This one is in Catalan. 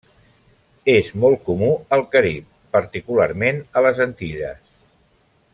És molt comú al Carib, particularment a les Antilles.